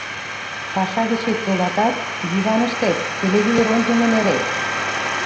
Паша гычет толатат, диваныштет, телевизор ончылно нерет.